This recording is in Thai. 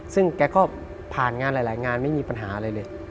ซึ่งแกก็ผ่านงานหลายงานไม่มีปัญหาอะไรเลย